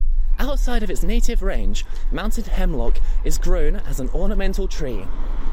Outside of its native range, mountain hemlock is grown as an ornamental tree.